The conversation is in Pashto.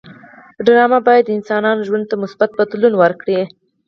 ډرامه باید د انسانانو ژوند ته مثبت بدلون ورکړي